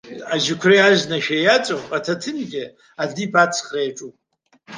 Аџьықәреи азнашәа иаҵоуп, аҭаҭынгьы адиԥ аҵхра иаҿуп.